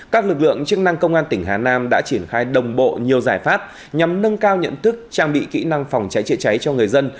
các lực lượng chức năng công an tỉnh hà nam đã triển khai đồng bộ nhiều giải pháp nhằm nâng cao nhận thức trang bị kỹ năng phòng cháy chữa cháy cho người dân